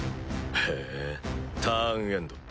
へぇターンエンド。